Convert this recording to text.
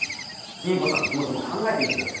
黄以子さんの気持ちも考えてみてください。